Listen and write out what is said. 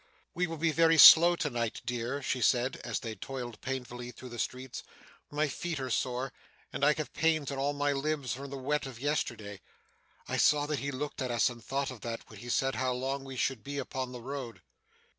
'We shall be very slow to day, dear,' she said, as they toiled painfully through the streets; 'my feet are sore, and I have pains in all my limbs from the wet of yesterday. I saw that he looked at us and thought of that, when he said how long we should be upon the road.